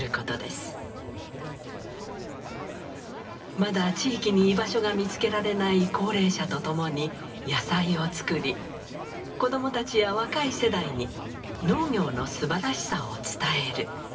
まだ地域に居場所が見つけられない高齢者と共に野菜を作り子どもたちや若い世代に農業のすばらしさを伝える。